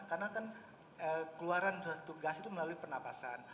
karena kan keluaran gas itu melalui penapasan